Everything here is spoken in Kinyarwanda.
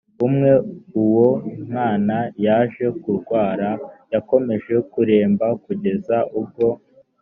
umwe uwo mwana yaje kurwara yakomeje kuremba kugeza ubwo